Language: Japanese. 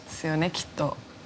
きっと。